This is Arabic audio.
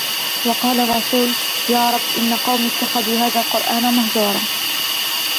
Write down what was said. وقال الرسول يا رب إن قومي اتخذوا هذا القرآن مهجورا